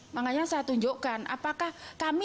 makanya saya tunjukkan apakah kami